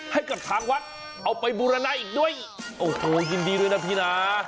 ให้กับทางวัดเอาไปบูรณะอีกด้วยโอ้โหยินดีด้วยนะพี่นะ